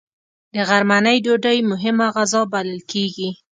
د غرمنۍ ډوډۍ مهمه غذا بلل کېږي